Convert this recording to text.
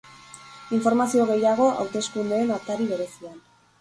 Informazio gehiago, hauteskundeen atari berezian.